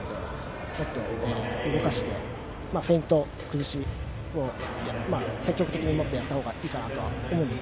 もっと動かしてフェイント、崩しを積極的にもっとやったほうがいいと思います。